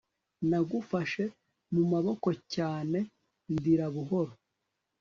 nagufashe mu maboko cyane ndira buhoro